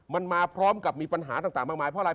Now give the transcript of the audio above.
มันมาพร้อมกับมีปัญหาต่างมากมายเพราะอะไร